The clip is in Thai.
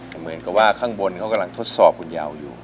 แต่เหมือนกับว่าข้างบนเขากำลังทดสอบคุณยาวอยู่